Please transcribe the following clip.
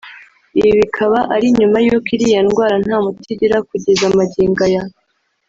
Ibi bikaba ari nyuma y’uko iriya ndwara nta muti igira kugeza magingo aya